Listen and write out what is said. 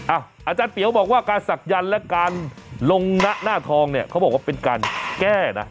อาจารย์เปี๋วบอกว่าการศักยันต์และการลงหน้าทองเนี่ยเขาบอกว่าเป็นการแก้นะ